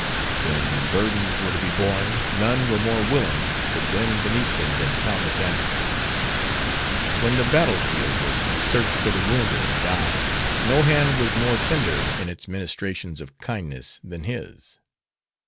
When burdens were to be borne, none were more willing to bend beneath them than Thomas Anderson. When the battle field was to be searched for the wounded and dying, no hand was more tender in its ministrations of kindness than his.